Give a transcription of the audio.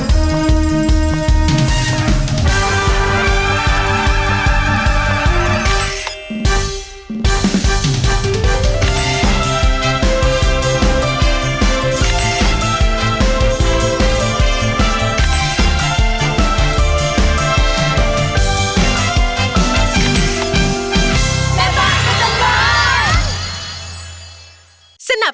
สวัสดีครับ